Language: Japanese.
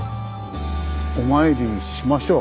お参りしましょう。